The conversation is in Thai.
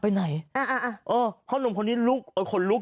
เพราะนมของนี่แรงคนรุก